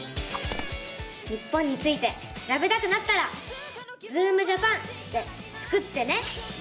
日本についてしらべたくなったら「ズームジャパン」でスクってね！